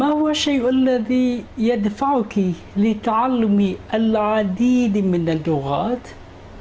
apa yang membuat anda berdua belajar banyak bahasa